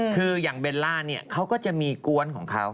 คืออย่างเบลล่าเนี่ยเขาก็จะมีกวนของเขา